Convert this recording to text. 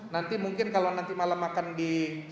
nanti mungkin kalau nanti malam akan di